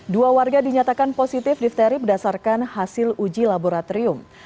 dua warga dinyatakan positif difteri berdasarkan hasil uji laboratorium